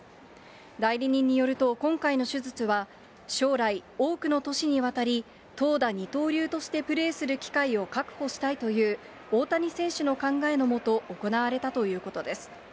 代理人によると、今回の手術は、将来、多くの年にわたり、投打二刀流としてプレーする機会を確保したいという、大谷選手の考えのもと、行われたということです。